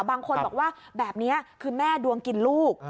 บางคนบอกว่าแบบนี้คือแม่ดวงกินลูก